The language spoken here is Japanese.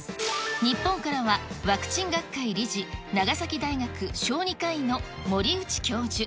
日本からは、ワクチン学会理事、長崎大学小児科医の森内教授。